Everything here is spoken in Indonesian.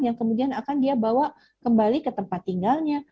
yang kemudian akan dia bawa kembali ke tempat tinggalnya